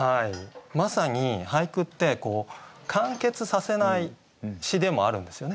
まさに俳句ってこう完結させない詩でもあるんですよね。